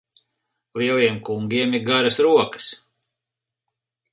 Lieliem kungiem ir garas rokas.